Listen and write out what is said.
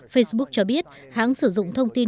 facebook cho biết hãng sử dụng thông tin